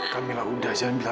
kamila udah jan mila